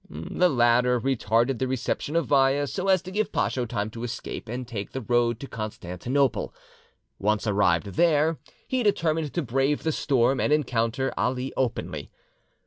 The latter retarded the reception of Vaya so as to give Pacho time to escape and take the road to Constantinople. Once arrived there, he determined to brave the storm and encounter Ali openly.